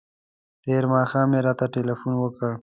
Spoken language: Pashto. تېر ماښام یې راته تلیفون وکړ.